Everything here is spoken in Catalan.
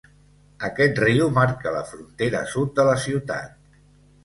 Aquest riu marca la frontera sud de la ciutat.